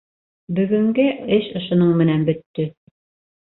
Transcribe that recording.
Бөгөнгә эш ошоноң менән бөттө.